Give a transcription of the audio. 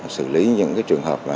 sử lý những trường hợp